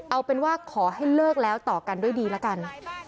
เอาเป็นว่าขอให้เลิกแล้วต่อกันด้วยดีแล้วกัน